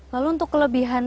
lalu untuk kelebihan